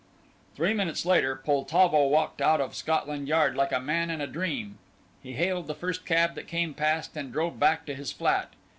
Three minutes later Poltavo walked out of Scotland Yard like a man in a dream. He hailed the first cab that came past and drove back to his flat.